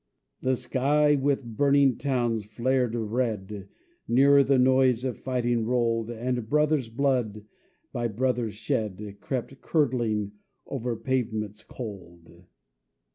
The sky with burning towns flared red, Nearer the noise of fighting rolled, And brothers' blood, by brothers shed, Crept, curdling, over pavements cold.